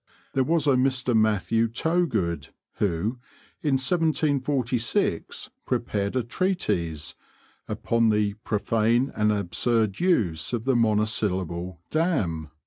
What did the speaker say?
There was a Mr. Matthew Towgood, who in 1746 prepared a treatise 'Upon the Prophane and Absurd use of the Monosyllable Damn.'